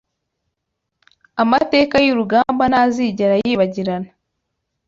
amateka y’urugamba ntazigere yibagirana